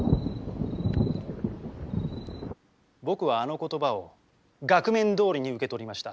僕はあの言葉を額面どおりに受け取りました。